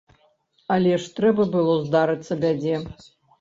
Але ж трэба было здарыцца бядзе.